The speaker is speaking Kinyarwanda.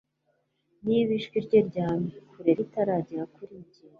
Niba ijwi rye rya kure ritaragera kuri njye